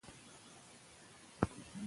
تاسو د پښتو ږغونو په ثبتولو کې مرسته وکړئ.